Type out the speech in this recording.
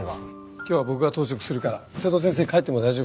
今日は僕が当直するから瀬戸先生帰っても大丈夫だよ。